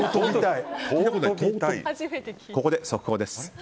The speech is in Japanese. ここで速報です。